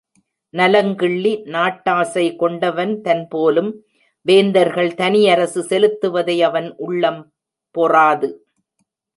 நலங்கிள்ளி நாட்டாசை கொண்டவன் தன் போலும் வேந்தர்கள் தனியரசு செலுத்துவதை அவன் உள்ளம் பொறாது.